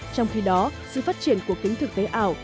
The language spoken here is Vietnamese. trong khi đó sự phát triển của kính thực tế ảo